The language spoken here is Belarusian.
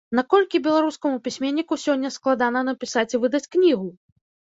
Наколькі беларускаму пісьменніку сёння складана напісаць і выдаць кнігу?